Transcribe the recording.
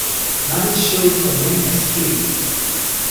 Mary's Church" o bien "St.